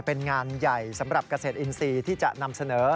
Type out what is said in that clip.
เป็นงานใหญ่สำหรับเกษตรอินทรีย์ที่จะนำเสนอ